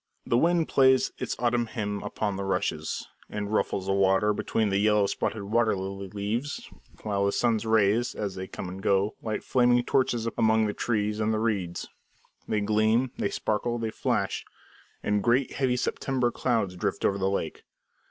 The wind plays its autumn hymn upon the rushes, and ruffles the water between the yellow spotted water lily leaves, while the sun's rays, as they come and go, light flaming torches among the trees and reeds. They gleam, they sparkle, they flash; and great, heavy, September clouds drift over the lake.